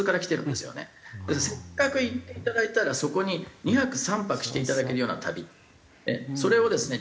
ですのでせっかく行っていただいたらそこに２泊３泊していただけるような旅それをですね